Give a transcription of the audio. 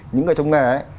những người trong nghề ấy